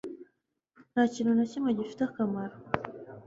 Nta kintu na kimwe gifite akamaro